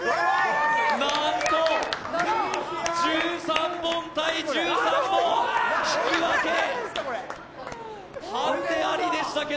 なんと、１３本×１３本、引き分け。